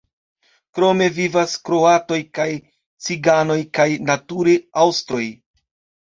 Krome vivas kroatoj kaj ciganoj kaj nature aŭstroj.